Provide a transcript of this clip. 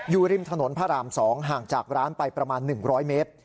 อยู่ริมถนนพระราม๒ห่างจากร้านไปประมาณ๑๐๐เมตร